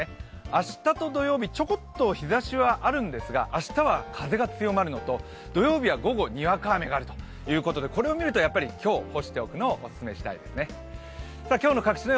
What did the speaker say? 明日と土曜日、ちょこっと日ざしはあるんですが、明日は風が強まるのと、土曜日は午後にわか雨があるということでこれを見ると、今日干しておくのをオススメしたいですね。